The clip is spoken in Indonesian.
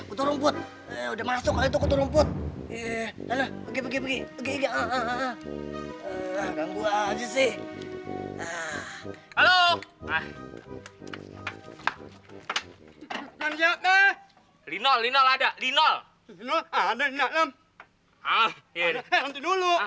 kutu rumput eh udah masuk kali itu kutu rumput